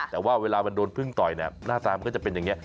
แต่ว่าเวลามันโดนพึ่งต่อยเนี่ยหน้าตามันก็จะเป็นอย่างนี้